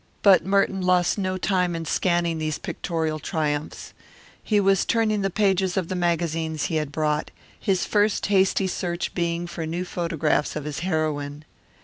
But Merton lost no time in scanning these pictorial triumphs. He was turning the pages of the magazines he had brought, his first hasty search being for new photographs of his heroine.